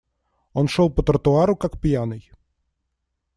Он шел по тротуару как пьяный.